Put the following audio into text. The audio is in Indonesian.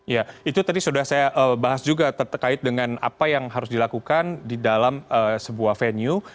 ya itu tadi sudah saya bahas juga terkait dengan apa yang harus dilakukan di dalam sebuah venue